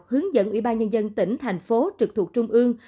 hướng dẫn ủy ban nhân dân tỉnh thành phố trực thuộc trung ương